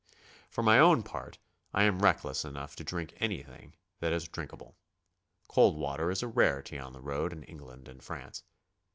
P'or my own part I am reckless enough to drink anything that is drinkable. Cold water is a rarity on the road in England and France.